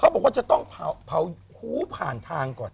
บอกว่าจะต้องเผาหูผ่านทางก่อน